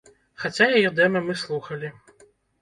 Хаця яе дэма мы слухалі.